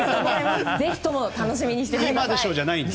ぜひとも楽しみにしていてください。